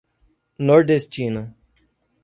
Nordestina